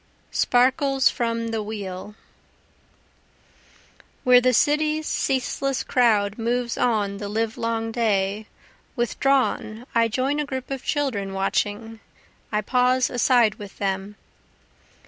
Sparkles from the Wheel Where the city's ceaseless crowd moves on the livelong day, Withdrawn I join a group of children watching, I pause aside with them.